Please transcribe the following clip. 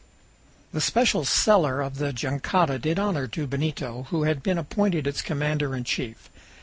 The special cellar of the jangada did honor to Benito, who had been appointed its commander in chief.